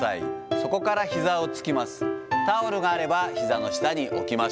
そこからひざをつきます。